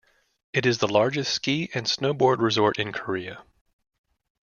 It is the largest ski and snowboard resort in Korea.